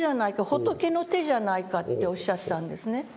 仏の手じゃないか」っておっしゃったんですね。